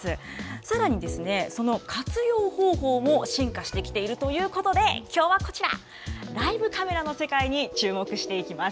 さらにその活用方法も進化してきているということで、きょうはこちら、ライブカメラの世界にチューモクしていきます。